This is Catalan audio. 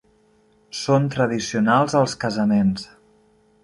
Són tradicionals als casaments.